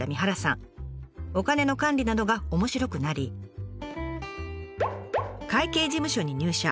お金の管理などが面白くなり会計事務所に入社。